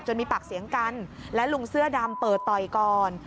มีปากเสียงกันและลุงเสื้อดำเปิดต่อยก่อน